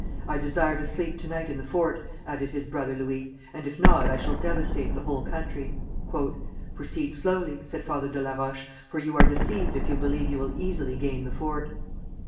"I desire to sleep to night in the fort," added his brother Louis, "and, if not, I shall devastate the whole country." "Proceed slowly," said Father de la Roche, "for you are deceived if you believe you will easily gain the fort.